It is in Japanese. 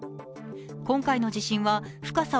今回の地震は深さ